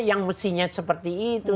yang mestinya seperti itu